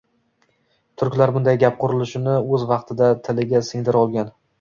Turklar bunday gap qurilishini oʻz vaqtida tiliga singdira olgan